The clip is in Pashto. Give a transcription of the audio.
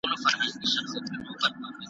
د بازانو پرې یرغل وي موږ پردي یو له خپل ځانه .